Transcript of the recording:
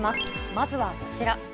まずはこちら。